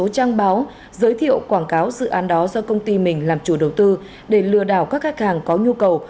trang báo giới thiệu quảng cáo dự án đó do công ty mình làm chủ đầu tư để lừa đảo các khách hàng có nhu cầu